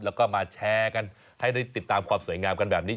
แล้วก็มาแชร์กันให้ได้ติดตามความสวยงามกันแบบนี้